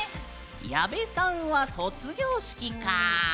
矢部さんは、卒業式か。